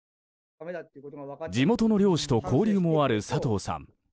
地元の猟師と交流もある佐藤さん。